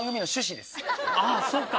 ああそっか。